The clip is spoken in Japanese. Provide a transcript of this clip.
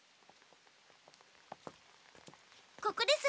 ここです。